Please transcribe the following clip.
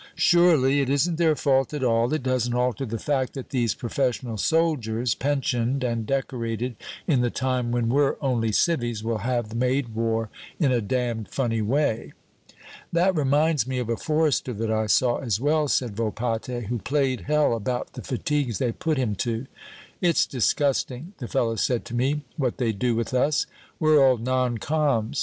"Surely. It isn't their fault at all. It doesn't alter the fact that these professional soldiers, pensioned and decorated in the time when we're only civvies, will have made war in a damned funny way." "That reminds me of a forester that I saw as well," said Volpatte, "who played hell about the fatigues they put him to. 'It's disgusting,' the fellow said to me, 'what they do with us. We're old non coms.